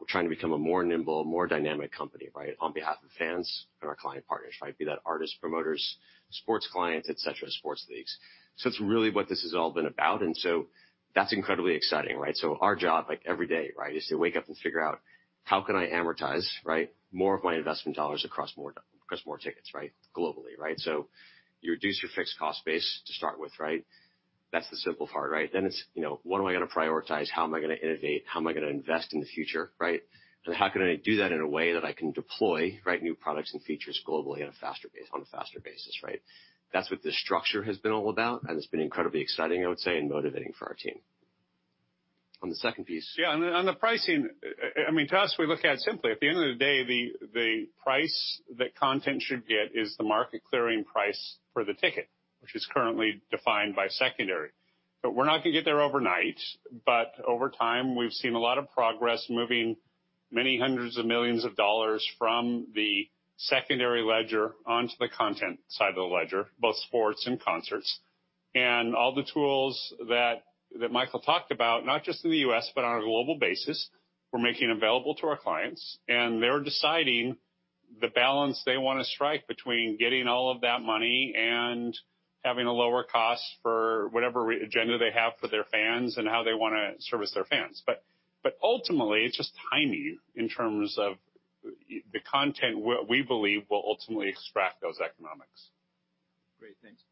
We're trying to become a more nimble, more dynamic company, right? On behalf of fans and our client partners, right? Be that artists, promoters, sports clients, et cetera, sports leagues. It's really what this has all been about, and so that's incredibly exciting, right? Our job, like every day, right, is to wake up and figure out how can I amortize, right, more of my investment dollars across more tickets, right? Globally, right? You reduce your fixed cost base to start with, right? That's the simple part, right? Then it's, you know, what am I gonna prioritize? How am I gonna innovate? How am I gonna invest in the future, right? And how can I do that in a way that I can deploy, right, new products and features globally on a faster basis, right? That's what this structure has been all about, and it's been incredibly exciting, I would say, and motivating for our team. On the second piece. Yeah, on the pricing, I mean, to us, we look at it simply. At the end of the day, the price that content should get is the market clearing price for the ticket, which is currently defined by secondary. We're not gonna get there overnight. Over time, we've seen a lot of progress moving many hundreds of millions of dollars from the secondary ledger onto the content side of the ledger, both sports and concerts. All the tools that Michael talked about, not just in the U.S., but on a global basis, we're making available to our clients, and they're deciding the balance they wanna strike between getting all of that money and having a lower cost for whatever agenda they have for their fans and how they wanna service their fans. Ultimately, it's just timing in terms of the content we believe will ultimately extract those economics. Great. Thanks.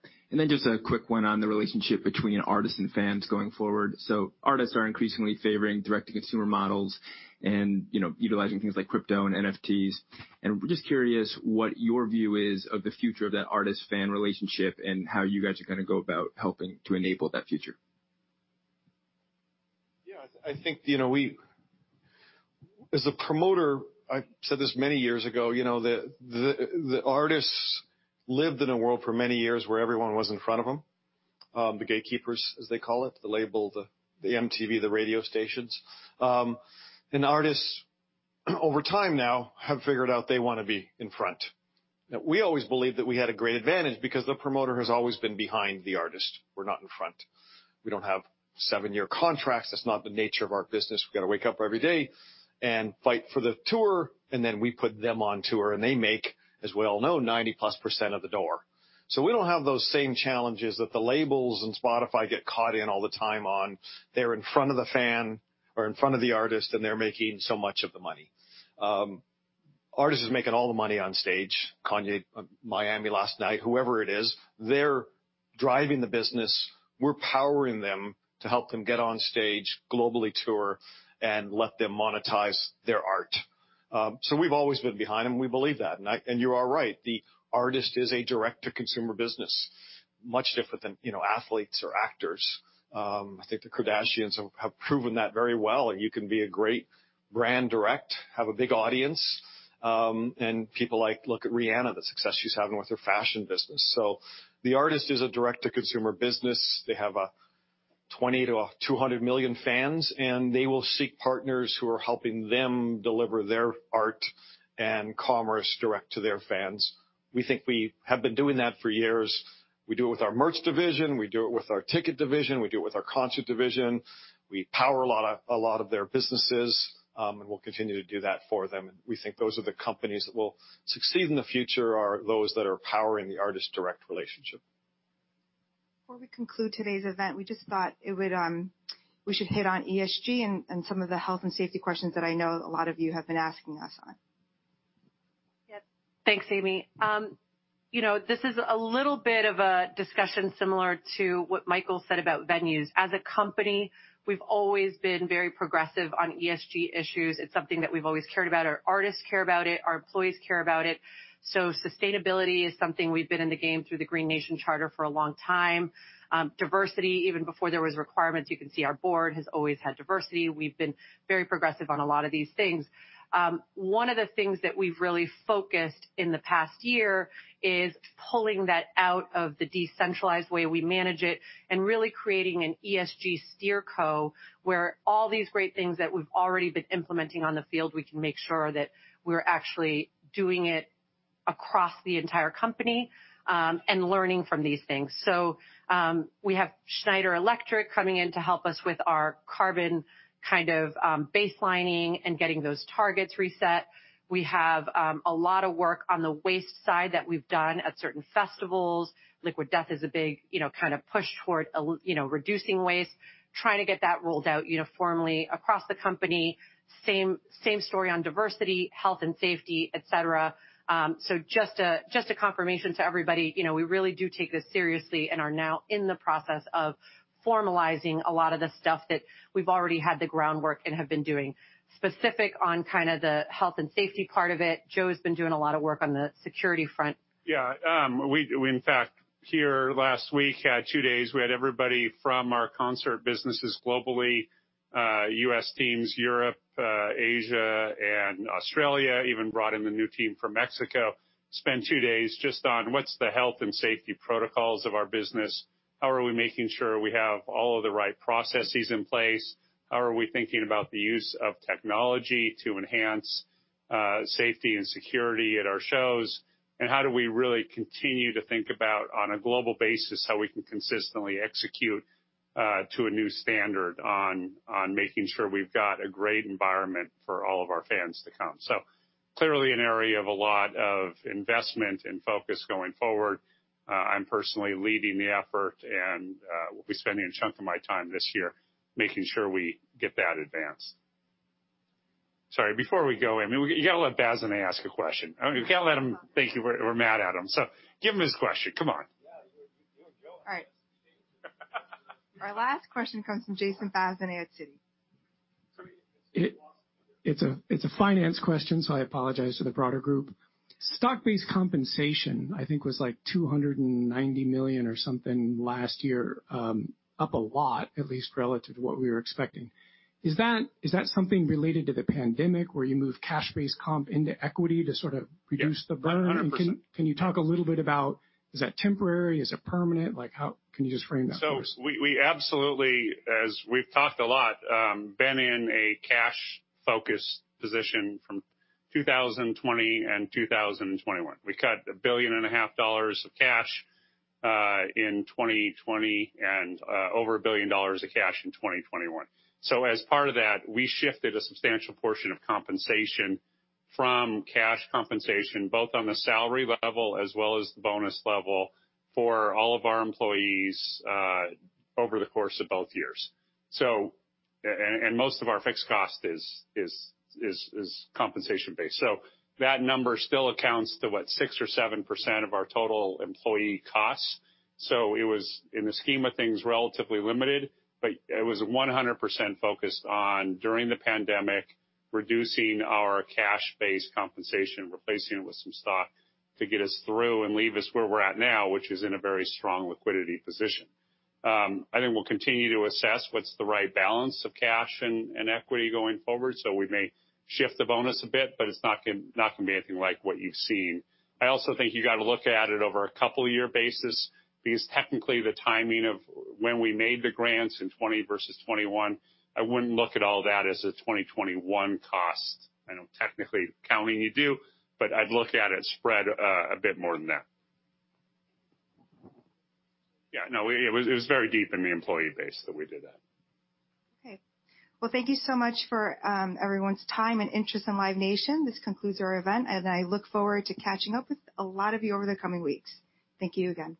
Just a quick one on the relationship between artists and fans going forward. Artists are increasingly favoring direct-to-consumer models and, you know, utilizing things like crypto and NFTs. We're just curious what your view is of the future of that artist-fan relationship and how you guys are gonna go about helping to enable that future. Yeah, I think, you know, as a promoter, I said this many years ago, you know, the artists lived in a world for many years where everyone was in front of them. The gatekeepers, as they call it, the label, the MTV, the radio stations. Artists, over time now have figured out they wanna be in front. We always believed that we had a great advantage because the promoter has always been behind the artist. We're not in front. We don't have seven-year contracts. That's not the nature of our business. We gotta wake up every day and fight for the tour, and then we put them on tour, and they make, as we all know, 90%+ of the door. We don't have those same challenges that the labels and Spotify get caught in all the time on. They're in front of the fan or in front of the artist, and they're making so much of the money. Artist is making all the money on stage. Kanye, Miami last night, whoever it is, they're driving the business. We're powering them to help them get on stage, globally tour, and let them monetize their art. We've always been behind them. We believe that. You are right. The artist is a direct-to-consumer business, much different than, you know, athletes or actors. I think the Kardashians have proven that very well. You can be a great brand direct, have a big audience, and people like Rihanna, the success she's having with her fashion business. The artist is a direct-to-consumer business. They have 20-200 million fans, and they will seek partners who are helping them deliver their art and commerce direct to their fans. We think we have been doing that for years. We do it with our merch division, we do it with our ticket division, we do it with our concert division. We power a lot of their businesses, and we'll continue to do that for them. We think those are the companies that will succeed in the future are those that are powering the artist direct relationship. Before we conclude today's event, we should hit on ESG and some of the health and safety questions that I know a lot of you have been asking us on. Yep. Thanks, Amy. You know, this is a little bit of a discussion similar to what Michael said about venues. As a company, we've always been very progressive on ESG issues. It's something that we've always cared about. Our artists care about it, our employees care about it. Sustainability is something we've been in the game through the Green Nation Charter for a long time. Diversity, even before there was requirements, you can see our board has always had diversity. We've been very progressive on a lot of these things. One of the things that we've really focused in the past year is pulling that out of the decentralized way we manage it and really creating an ESG SteerCo, where all these great things that we've already been implementing on the field, we can make sure that we're actually doing it across the entire company, and learning from these things. We have Schneider Electric coming in to help us with our carbon kind of baselining and getting those targets reset. We have a lot of work on the waste side that we've done at certain festivals. Liquid Death is a big, you know, kind of push toward you know, reducing waste, trying to get that rolled out uniformly across the company. Same story on diversity, health and safety, et cetera. Just a confirmation to everybody, you know, we really do take this seriously and are now in the process of formalizing a lot of the stuff that we've already had the groundwork and have been doing. Specifically on kind of the health and safety part of it, Joe has been doing a lot of work on the security front. Yeah. We in fact here last week had two days. We had everybody from our concert businesses globally, U.S. teams, Europe, Asia, and Australia, even brought in the new team from Mexico, spend two days just on what's the health and safety protocols of our business? How are we making sure we have all of the right processes in place? How are we thinking about the use of technology to enhance, safety and security at our shows? And how do we really continue to think about, on a global basis, how we can consistently execute, to a new standard on, making sure we've got a great environment for all of our fans to come. Clearly, an area of a lot of investment and focus going forward. I'm personally leading the effort, and we'll be spending a chunk of my time this year making sure we get that advanced. Sorry, before we go, I mean, you gotta let Bazinet ask a question. You can't let him think you're mad at him. Give him his question. Come on. All right. Our last question comes from Jason Bazinet, Citi. It's a finance question, so I apologize to the broader group. Stock-based compensation, I think, was, like, $290 million or something last year, up a lot, at least relative to what we were expecting. Is that something related to the pandemic, where you moved cash-based comp into equity to sort of reduce the burn? 100%. Can you talk a little bit about is that temporary? Is it permanent? Like, can you just frame that for us? We absolutely, as we've talked a lot, been in a cash-focused position from 2020 and 2021. We cut $1.5 billion of cash in 2020 and over a billion dollar of cash in 2021. As part of that, we shifted a substantial portion of compensation from cash compensation, both on the salary level as well as the bonus level for all of our employees over the course of both years. Most of our fixed cost is compensation-based. That number still accounts to, what, 6% or 7% of our total employee costs. It was, in the scheme of things, relatively limited, but it was 100% focused on, during the pandemic, reducing our cash-based compensation, replacing it with some stock to get us through and leave us where we're at now, which is in a very strong liquidity position. I think we'll continue to assess what's the right balance of cash and equity going forward, so we may shift the bonus a bit, but it's not gonna be anything like what you've seen. I also think you gotta look at it over a couple-year basis because technically the timing of when we made the grants in 2020 versus 2021, I wouldn't look at all that as a 2021 cost. I know technically accounting you do, but I'd look at it spread a bit more than that. Yeah, no, it was very deep in the employee base that we did that. Okay. Well, thank you so much for everyone's time and interest in Live Nation. This concludes our event, and I look forward to catching up with a lot of you over the coming weeks. Thank you again.